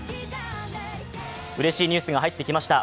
うれしいニュースが入ってきました。